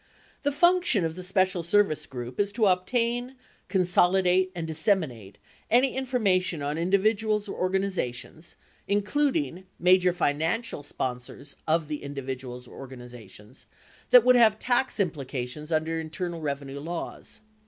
. The function of the Special Service Group is to obtain, consolidate and disseminate any information on individuals or organizations (including major financial sponsors of the individuals or organizations) that would have tax implica tions under the Internal Revenue laws.